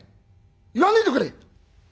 言わねえでくれ！」。